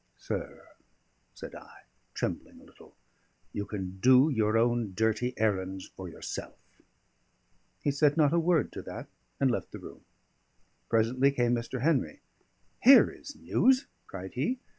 "Sir," said I, trembling a little, "you can do your own dirty errands for yourself." He said not a word to that, and left the room. Presently came Mr. Henry. "Here is news!" cried he.